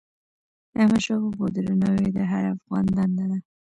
د احمدشاه بابا درناوی د هر افغان دنده ده.